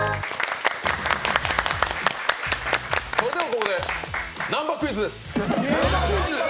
ここで南波クイズです。